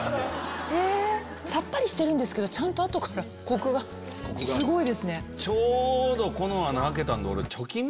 さっぱりしてるんですけどちゃんと後からコクがすごい。